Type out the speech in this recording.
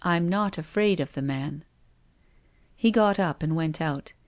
I'm not afraid of the man." He got up and went out.